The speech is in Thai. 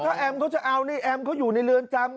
ถ้าแอมเขาจะเอานี่แอมเขาอยู่ในเรือนจำ